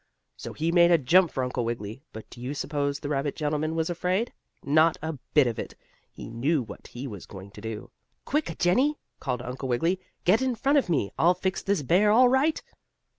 So he made a jump for Uncle Wiggily, but do you s'pose the rabbit gentleman was afraid? Not a bit of it. He knew what he was going to do. "Quick, Jennie!" called Uncle Wiggily. "Get in front of me. I'll fix this bear all right."